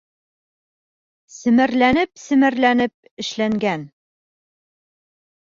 Семәрләнеп-семәрләнеп эшләнгән!